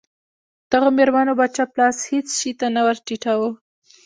دغو مېرمنو به چپ لاس هېڅ شي ته نه ور ټیټاوه.